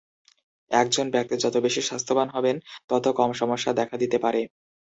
একজন ব্যক্তি যত বেশি স্বাস্থ্যবান হবেন, তত কম সমস্যা দেখা দিতে পারে।